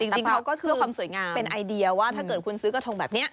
จริงเขาก็เชื่อความสวยงามเป็นไอเดียว่าถ้าเกิดคุณซื้อกระทงแบบนี้